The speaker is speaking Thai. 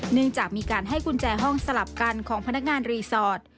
เนื่องจากมีการให้กุญแจห้องสลับกันของพนักงานรีสอร์ท